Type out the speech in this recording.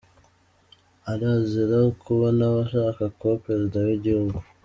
Arazira kuba nawe ashaka kuba president w’igihugu.